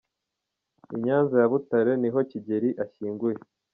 Inyanza ya butare ni ho kigeri ashyinguyee.